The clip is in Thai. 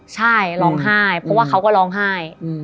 ใช่ร้องไห้เพราะว่าเขาก็ร้องไห้